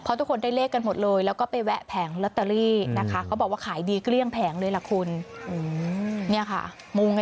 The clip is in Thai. เพราะทุกคนได้เลขกันหมดเลยแล้วก็ไปแหวะแผงลัตเตอรี่นะคะ